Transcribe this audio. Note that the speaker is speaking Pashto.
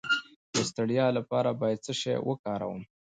د ستړیا لپاره باید څه شی وکاروم؟